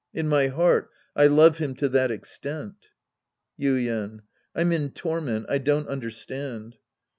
In my heart, I love him to that extent. Yuien. I'm in torment. I don't understand.